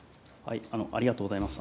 ありがとうございます。